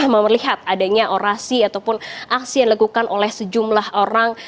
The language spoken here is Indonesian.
memang melihat adanya orasi ataupun aksi yang dilakukan oleh sejumlah orang